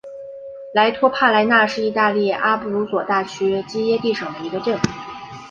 莱托帕莱纳是意大利阿布鲁佐大区基耶蒂省的一个镇。